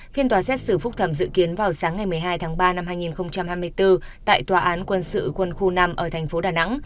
phiên tòa xét xử phúc thẩm dự kiến vào sáng ngày một mươi hai tháng ba năm hai nghìn hai mươi bốn tại tòa án quân sự quân khu năm ở thành phố đà nẵng